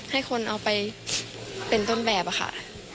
ให้คนเอาไปเป็นต้นแบบค่ะ